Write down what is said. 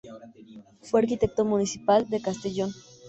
Fue arquitecto municipal de Castellón.